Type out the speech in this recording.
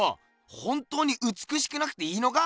本当にうつくしくなくていいのか？